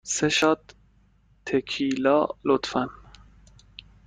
سه شات تکیلا، لطفاً.